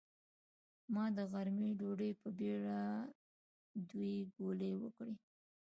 ما د غرمۍ ډوډۍ په بېړه دوې ګولې وکړې.